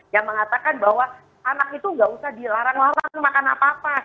yang mengatakan bahwa anak itu nggak usah dilarang larang makan apa apa